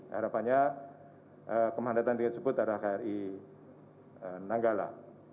harapannya kemahanetan tinggi tersebut adalah kri nanggala